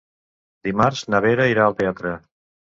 Dimarts na Vera irà al teatre.